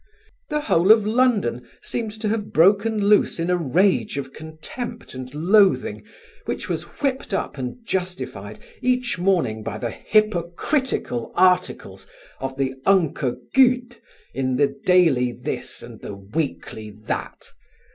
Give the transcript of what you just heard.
The whole of London seemed to have broken loose in a rage of contempt and loathing which was whipped up and justified each morning by the hypocritical articles of the "unco guid" in the daily this and the weekly that.